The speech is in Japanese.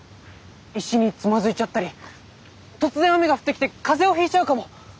石につまずいちゃったり突然雨が降ってきて風邪をひいちゃうかも。